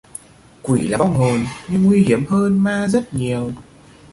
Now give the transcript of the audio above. quỷ là vong hồn nhưng nguy hiểm hơn ma rất nhiều